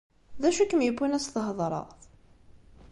D acu i kem-yewwin ad as-theḍṛeḍ?